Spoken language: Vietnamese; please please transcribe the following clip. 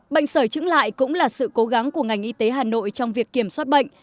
bệnh sởi trứng lại cũng là sự cố gắng của ngành y tế hà nội trong việc kiểm soát bệnh